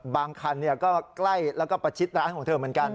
บางคันก็ใกล้แล้วก็ประชิดร้านของเธอเหมือนกัน